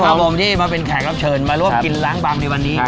อารมณ์ที่มาเป็นแขกรับเชิญมาร่วมกินล้างบางในวันนี้